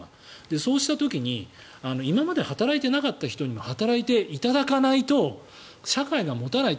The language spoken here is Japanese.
そうした時に今まで働いてなかった人にも働いていただかないと社会持たないって。